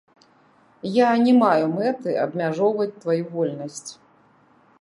Я не маю мэты абмяжоўваць тваю вольнасць.